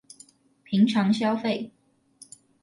平常消費